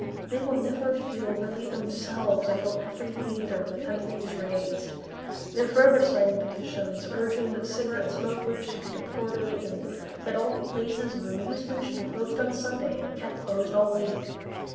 They will never feel really themselves Until every theatre in the country is razed. They are forever signing petitions Urging that cigarette smokers should be deported, And that all places of amusement should be closed on Sunday And kept closed all week.